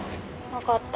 分かった。